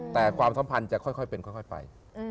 แต่ความสัมพันธ์จะค่อยเป็นค่อยไป